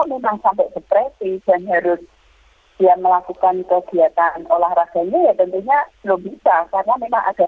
kalau memang sampai depresi dan harus dia melakukan kegiatan olahraganya ya tentunya lo bisa